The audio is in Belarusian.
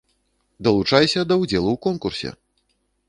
Далучайся да ўдзелу ў конкурсе!